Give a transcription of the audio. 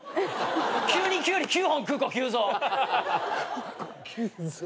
急にキュウリ９本食う子急増。